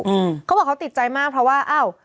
เขาบอกเขาติดใจมากเพราะว่าอ้าว